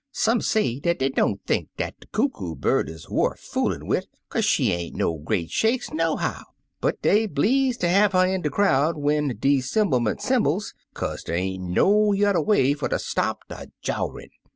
Some say dat dey don't think dat de Coo Coo Bird is wuff foolin' wid, kaze she ain't no great shakes, nohow, but dey bleeze ter have her in de crowd when de 'semblement 'sembles, kaze dey ain't no yuther way fer ter stop de jowerin'.